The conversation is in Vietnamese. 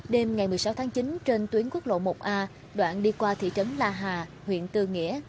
đêm ngày một mươi sáu tháng chín trên tuyến quốc lộ một a đoạn đi qua thị trấn la hà huyện tư nghĩa